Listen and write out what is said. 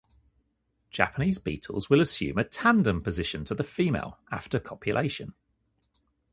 Japanese beetles will assume a tandem position to the female after copulation.